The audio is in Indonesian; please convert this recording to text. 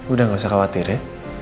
udah gak usah khawatir ya